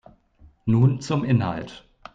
Nun zum Inhalt.